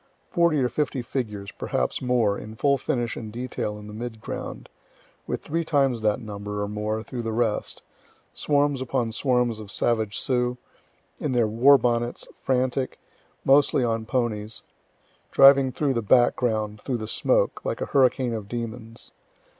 Forty or fifty figures, perhaps more, in full finish and detail in the mid ground, with three times that number, or more, through the rest swarms upon swarms of savage Sioux, in their war bonnets, frantic, mostly on ponies, driving through the background, through the smoke, like a hurricane of demons.